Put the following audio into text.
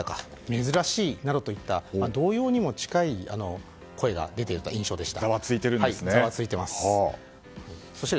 珍しいなどといった動揺にも近い声が出ていた印象でした。